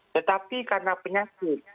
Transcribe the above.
tetapi karena penyakit